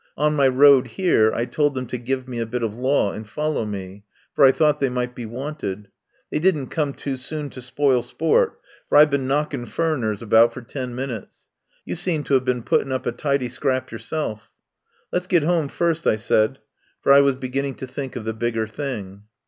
On my road here I told them to give me a bit of law and follow me, for I thought they might be wanted. They didn't come too soon to spoil sport, for I've been knocking furriners about for ten min 152 RESTAURANT IN ANTIOCH STREET utes. You seem to have been putting up a tidy scrap yourself." "Let's get home first," I said, for I was be ginning to think of the bigger thing.